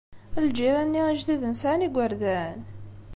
Ilǧiran-nni ijdiden sɛan igerdan?